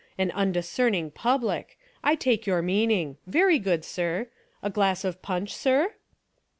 An undiscern ing public. I take your meaning. Very good, sir; a glass of punch, sir?"